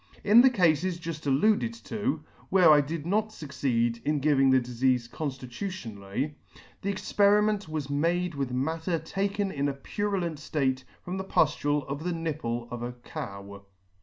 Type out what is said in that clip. In the Cafes juft alluded to, where I did not fucceed in giving the difeafe conftitutionally. C «3 ] conflitutionally, the experiment was made with matter taken in a purulent flate from a puflule on the nipple of a cow *.